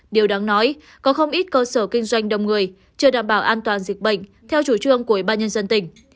điều đáng nói có không ít cơ sở kinh doanh đông người chưa đảm bảo an toàn dịch bệnh theo chủ trương của ủy ban nhân dân tỉnh